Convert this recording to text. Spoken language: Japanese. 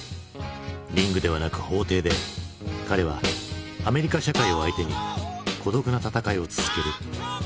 リングではなく法廷で彼はアメリカ社会を相手に孤独な闘いを続ける。